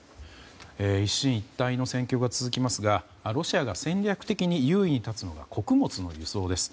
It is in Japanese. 一進一退の戦況が続きますがロシアが戦略的に優位に立つのが穀物の輸送です。